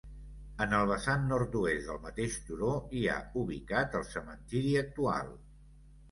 En el vessant nord-oest del mateix turó hi ha ubicat el cementiri actual.